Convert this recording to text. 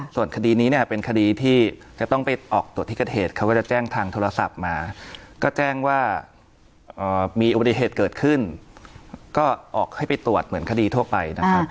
ส่วนคดีนี้เนี่ยเป็นคดีที่จะต้องไปออกตรวจที่เกิดเหตุเขาก็จะแจ้งทางโทรศัพท์มาก็แจ้งว่ามีอุบัติเหตุเกิดขึ้นก็ออกให้ไปตรวจเหมือนคดีทั่วไปนะครับ